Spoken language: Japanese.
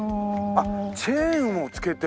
あっチェーンをつけて。